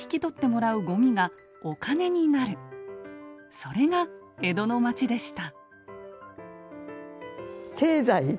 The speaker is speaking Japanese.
それが江戸の街でした。